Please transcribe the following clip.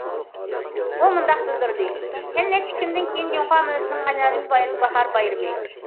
ئۇ مۇنداق بىلدۈردى: يەنە نەچچە كۈندىن كېيىن، جۇڭخۇا مىللىتىنىڭ ئەنئەنىۋى بايرىمى باھار بايرىمى.